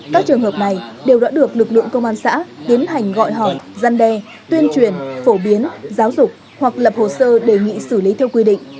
các trường hợp này đều đã được lực lượng công an xã tiến hành gọi hỏi gian đe tuyên truyền phổ biến giáo dục hoặc lập hồ sơ đề nghị xử lý theo quy định